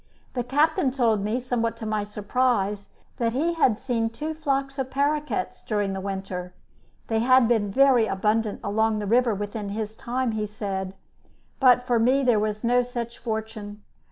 The captain told me, somewhat to my surprise, that he had seen two flocks of paroquets during the winter (they had been very abundant along the river within his time, he said), but for me there was no such fortune.